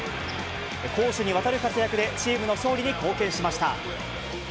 攻守にわたる活躍で、チームの勝利に貢献しました。